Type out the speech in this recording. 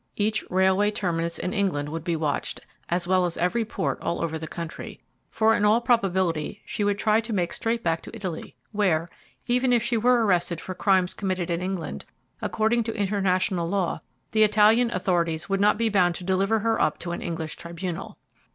Each railway terminus in England would be watched, as well as every port all over the country; for in all probability she would try to make straight back to Italy, where, even if she were arrested for crimes committed in England, according to international law the Italian authorities would not be bound to deliver her up to an English tribunal.